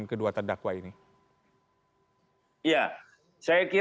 bagaimana anda melihat peluang akan ada perubahan dari hukum ini